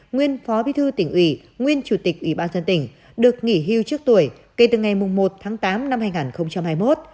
nguyên phó bí thư tỉnh ủy nguyên chủ tịch ủy ban dân tỉnh được nghỉ hưu trước tuổi kể từ ngày một tháng tám năm hai nghìn hai mươi một